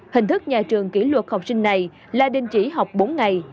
hình thức nhà trường kỷ luật học sinh này là đình chỉ học bốn ngày